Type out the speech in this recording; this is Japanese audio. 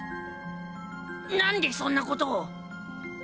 何でそんなことを！？